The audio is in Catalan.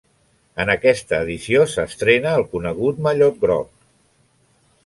En aquesta edició s'estrena el conegut mallot groc.